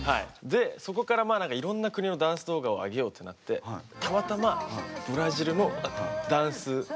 でそこからいろんな国のダンス動画をあげようってなってたまたまブラジルのダンス動画をあげたんですよ。